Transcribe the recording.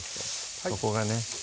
そこがね